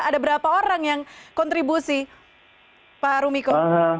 ada berapa orang yang kontribusi pak haru miko